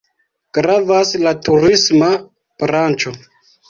Gravas la turisma branĉo.